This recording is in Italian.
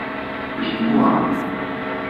B. Bois.